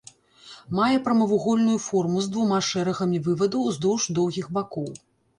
Мае прамавугольную форму з двума шэрагамі вывадаў уздоўж доўгіх бакоў.